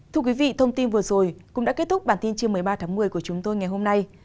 thưa quý vị thông tin vừa rồi cũng đã kết thúc bản tin trưa một mươi ba tháng một mươi của chúng tôi ngày hôm nay